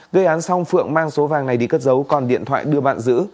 gây án xong phượng mang số vàng này đi cất giấu còn điện thoại đưa bạn giữ